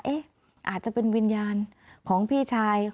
อาจจะเป็นวิญญาณของพี่ชาย